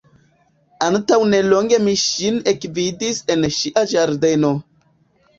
Antaŭnelonge mi ŝin ekvidis en ŝia ĝardeno.